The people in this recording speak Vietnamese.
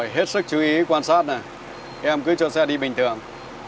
hết sức chú ý quan sát em cứ cho xe đi bình thường